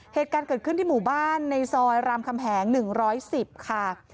เหตุการณ์เกิดขึ้นที่หมู่บ้านในซอยรามคำแหง๑๑๐ค่ะ